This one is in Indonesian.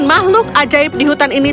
makhluk ajaib di hutan ini